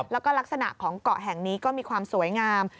แล้วก็ลักษณะของเกาะแห่งนี้ก็มีความสวยงาม